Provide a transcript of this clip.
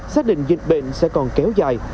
xác định dịch bệnh sẽ còn kéo dài